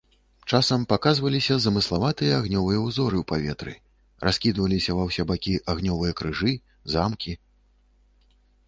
Часам паказваліся замыславатыя агнёвыя ўзоры ў паветры, раскідваліся ва ўсе бакі агнёвыя крыжы, замкі.